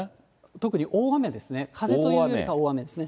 特に大雨ですね、風というよりかは大雨ですね。